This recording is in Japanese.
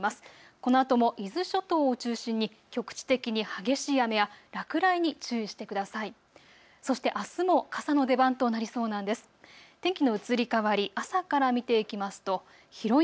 このあとも伊豆諸島を中心に局地的に激しい雨や落雷に注意してください。